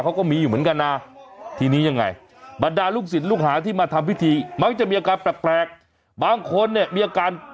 ฮ่าฮ่าฮ่าฮ่าฮ่าฮ่าฮ่าฮ่าฮ่าฮ่าฮ่าฮ่าฮ่าฮ่าฮ่า